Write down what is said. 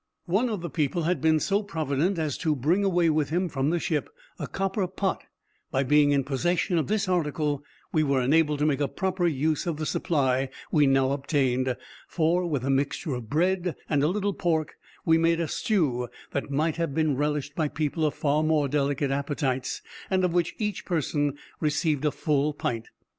One of the people had been so provident as to bring away with him from the ship a copper pot: by being in possession of this article, we were enabled to make a proper use of the supply we now obtained; for, with a mixture of bread, and a little pork, we made a stew that might have been relished by people of far more delicate appetites, and of which each person received a full pint.